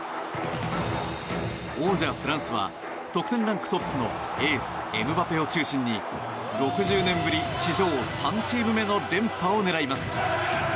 王者フランスは得点ランクトップのエースエムバペを中心に６０年ぶり、史上３チーム目の連覇を狙います。